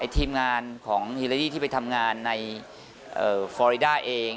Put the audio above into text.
ทีมงานของฮิลาดี้ที่ไปทำงานในฟอริดาเอง